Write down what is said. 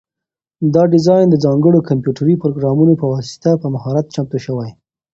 دا ډیزاین د ځانګړو کمپیوټري پروګرامونو په واسطه په مهارت چمتو شوی.